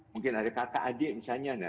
mungkin ada kakak adik misalnya